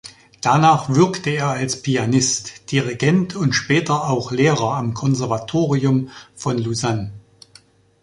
Danach wirkte er als Pianist, Dirigent und später auch Lehrer am Konservatorium von Lausanne.